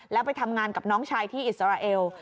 แล้วไปทำงานกับน้องชายที่อิสราเอล